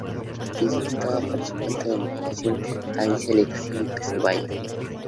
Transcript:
Disgustada por su falta de moderación, Alicia le exige que se vaya.